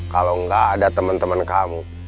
kalau nggak ada teman teman kamu